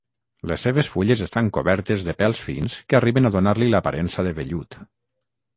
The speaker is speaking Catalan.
Les seves fulles estan cobertes de pèls fins que arriben a donar-li l'aparença de vellut.